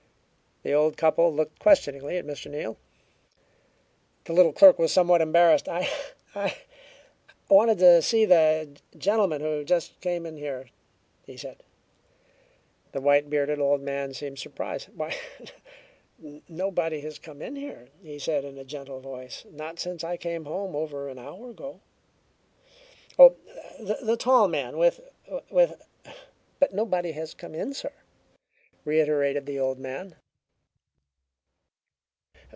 The old couple looked questioningly at Mr. Neal. The little clerk was somewhat embarrassed. "I I wanted to see the gentleman who just came in here," he said. The white bearded old man seemed surprised. "Why, nobody has come in here," he said in a gentle voice. "Not since I came home over an hour ago." "Oh, the tall man, with with " "But nobody has come in, sir," reiterated the old man.